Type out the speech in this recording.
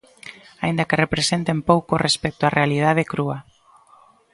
Aínda que representen pouco respecto á realidade crúa.